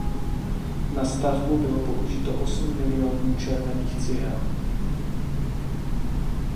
Na stavbu bylo použito osm milionů červených cihel.